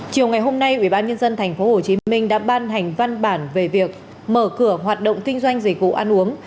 chiều ngày hôm nay ubnd tp hcm đã ban hành văn bản về việc mở cửa hoạt động kinh doanh dịch vụ ăn uống